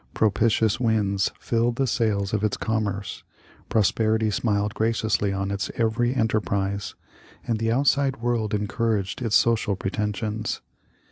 Propitious winds filled the sails of its com merce, prosperity smiled graciously on its every en terprise, and the outside world encouraged its social pretensions.